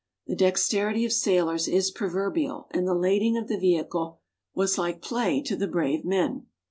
The dexterity of sailors is proverbial, and the lading of the vehicle was like play to the brave men.